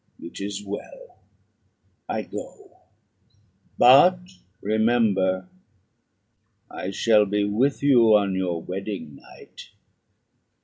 "It is well. I go; but remember, I shall be with you on your wedding night."